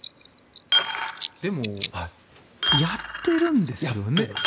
でもやっているんですよね？